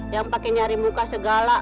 yang pakai nyari muka segala